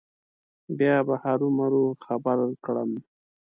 بیا به هرو مرو خبر کړم.